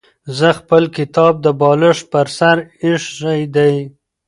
زه خپل کتاب د بالښت پر سر ایښی دی.